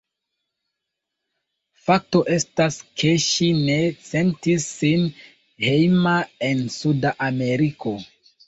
Fakto estas ke ŝi ne sentis sin hejma en Suda Ameriko.